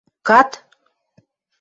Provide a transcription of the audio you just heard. – Кад!